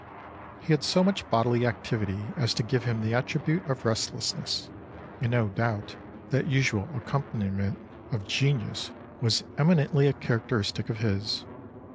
He had so much bodily activity as to give him the attribute of restlessness, and no doubt that usual accompaniment of genius was eminently a characteristic of his.